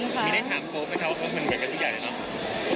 ไม่ได้ถามโกรธให้ค่ะว่าเขาเป็นเกาะที่ใหญ่หรือเปล่า